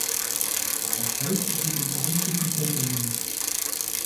Das Holz wird in buddhistischen Tempeln genutzt.